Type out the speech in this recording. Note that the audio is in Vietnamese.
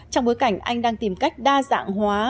trong bối cảnh anh đang tìm cách đa dạng hóa